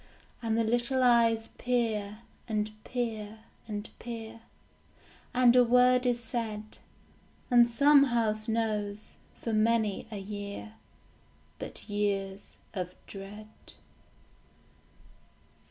And the little eyes peer, and peer, and peer; And a word is said. And some house knows, for many a year, But years of dread.